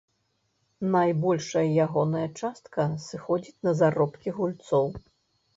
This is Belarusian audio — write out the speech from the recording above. Найбольшая ягоная частка сыходзіць на заробкі гульцоў.